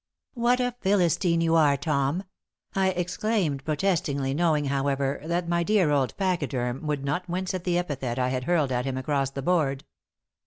"What a Philistine you are, Tom!" I exclaimed, protestingly, knowing, however, that my dear old pachyderm would not wince at the epithet I had hurled at him across the board.